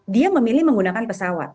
dia memilih menggunakan pesawat